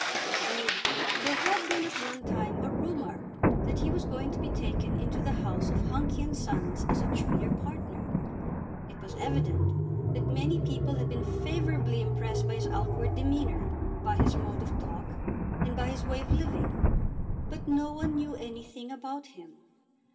Indeed there had been at one time a rumour that he was going to be taken into the house of Hunky and Sons as a junior partner. It was evident that many people had been favourably impressed by his outward demeanour, by his mode of talk, and by his way of living. But no one knew anything about him.